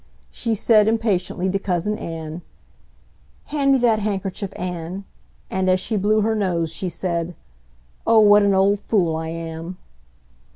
She said, impatiently, to Cousin Ann, "Hand me that handkerchief, Ann!" And as she blew her nose, she said, "Oh, what an old fool I am!"